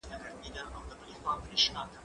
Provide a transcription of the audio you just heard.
زه کولای سم بوټونه پاک کړم!.